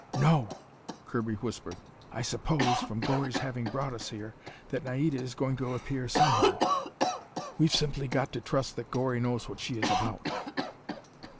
"No," Kirby whispered. "I suppose, from Gori's having brought us here, that Naida is going to appear somehow. We've simply got to trust that Gori knows what she is about."